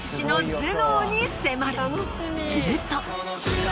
すると。